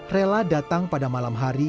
rela datang pada malam hari